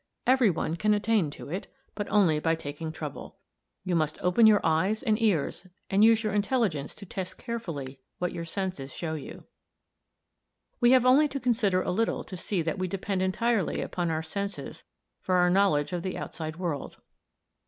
Every one can attain to it, but only by taking trouble. You must open your eyes and ears, and use your intelligence to test carefully what your senses show you. "We have only to consider a little to see that we depend entirely upon our senses for our knowledge of the outside world.